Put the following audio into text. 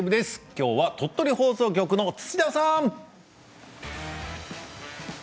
きょうは鳥取放送局の土田さん。